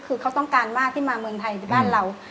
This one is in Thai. คือเขาต้องการมากที่มาเมืองไทยในบ้านเรา